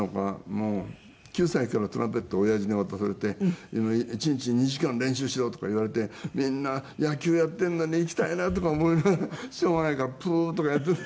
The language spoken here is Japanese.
もう９歳からトランペットを親父に渡されて「１日２時間練習しろ」とか言われてみんな野球やってんのに行きたいなとか思いながらしょうがないから「プー」とかやってた。